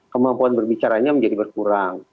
kemampuan berbicaranya menjadi berkurang